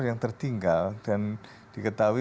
yang tertinggal dan diketahui